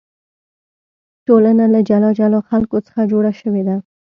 ټولنه له جلا جلا خلکو څخه جوړه شوې ده.